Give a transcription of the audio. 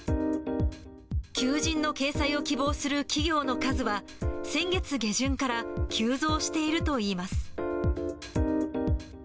求人の掲載を希望する企業の数は、先月下旬から急増しているといいます。